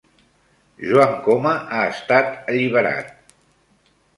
Joan Coma ha estat alliberat